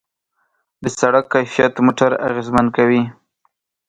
د سړک کیفیت موټر اغېزمن کوي.